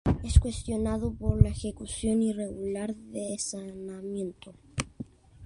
Es cuestionado por la ejecución irregular de obras de saneamiento.